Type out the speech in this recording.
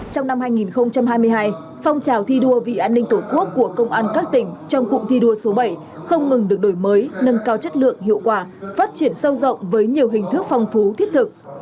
trong năm hai nghìn hai mươi hai phong trào thi đua vì an ninh tổ quốc của công an các tỉnh trong cụm thi đua số bảy không ngừng được đổi mới nâng cao chất lượng hiệu quả phát triển sâu rộng với nhiều hình thức phong phú thiết thực